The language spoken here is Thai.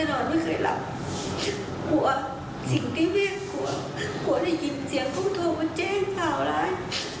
หัวจะยินเสียงพวกตัวมันเจ็บต่าวร้าย